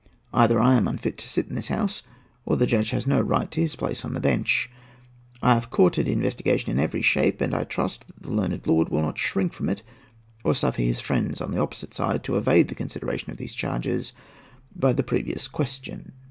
Either I am unfit to sit in this House, or the judge has no right to his place on the bench. I have courted investigation in every shape; and I trust that the learned lord will not shrink from it or suffer his friends on the opposite side to evade the consideration of these charges by 'the previous question.'"